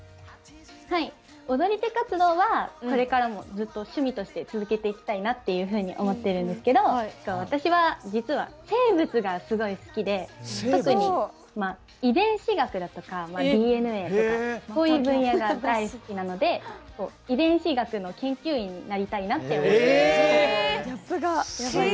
踊り手活動はこれからもずっと趣味として続けていきたいなと思ってるんですけど私は実は生物がすごい好きで特に遺伝子学だとかＤＮＡとかそういう分野が大好きなので遺伝子学の研究員になりたいなとギャップがやばい。